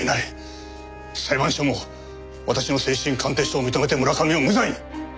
裁判所も私の精神鑑定書を認めて村上を無罪に。